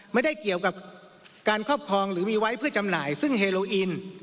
ไม่ได้เกี่ยวกับการครอบครองหรือมีไว้เพื่อจำหน่ายซึ่งเฮโลอิน